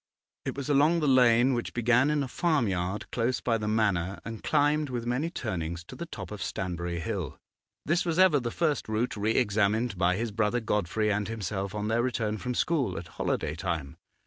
It was along the lane which began in a farmyard close by the Manor and climbed with many turnings to the top of Stanbury Hill. This was ever the first route re examined by his brother Godfrey and himself on their return from school at holiday time.